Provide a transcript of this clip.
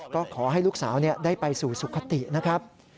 ก็ขอให้ลูกสาวได้ไปสู่สุขตินะครับ